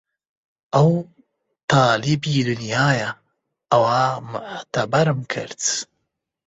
ئەو تالیبی دونیایە ئەوا موعتەبەرم کرد